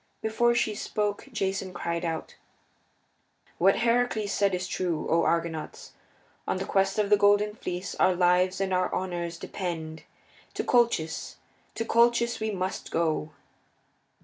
Before she spoke Jason cried out: "What Heracles said is true, O Argonauts! On the Quest of the Golden Fleece our lives and our honors depend. To Colchis to Colchis must we go!"